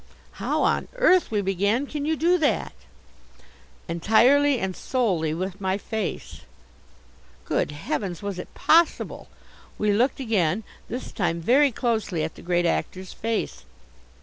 "How on earth," we began, "can you do that?" "Entirely and solely with my face." Good heavens! Was it possible? We looked again, this time very closely, at the Great Actor's face.